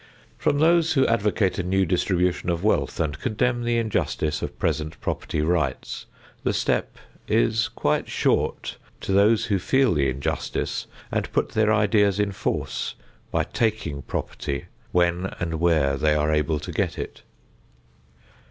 From those who advocate a new distribution of wealth and condemn the injustice of present property rights, the step is quite short to those who feel the injustice and put their ideas in force by taking property when and where they are able to get it.